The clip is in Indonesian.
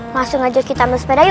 masuk aja kita minjem sepeda yuk